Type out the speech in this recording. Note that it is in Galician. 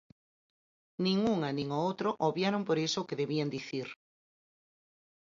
Nin unha nin o outro obviaron por iso o que debían dicir.